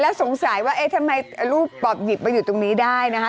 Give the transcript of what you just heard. แล้วสงสัยว่าเอ๊ะทำไมรูปปอบหยิบมาอยู่ตรงนี้ได้นะคะ